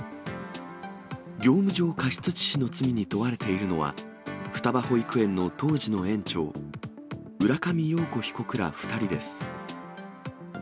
業務上過失致死の罪に問われているのは、双葉保育園の当時の園長、浦上陽子被告ら２人です。